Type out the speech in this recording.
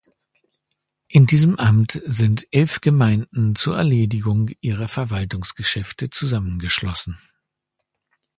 In diesem Amt sind elf Gemeinden zur Erledigung ihrer Verwaltungsgeschäfte zusammengeschlossen.